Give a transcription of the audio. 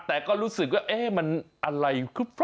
แต่ก็รู้สึกว่าเอ๊ะมันอะไร